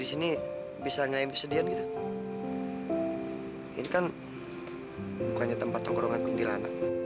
ini kan bukannya tempat congkongan kuntilanak